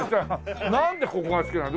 なんでここが好きなの？